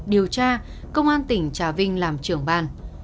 điều tra công an tỉnh trà vinh làm trưởng ban